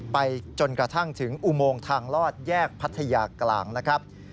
ไปจนกระทั่งถึงอุโมงทางลอดแยกพัทยากลางนะครับ